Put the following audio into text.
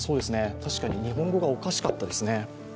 確かに日本語がおかしかったですね。